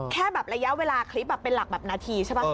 แค่แบบระยะเวลาคลิปเป็นหลักแบบนาทีใช่ป่ะ